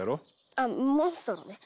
あモンストロね。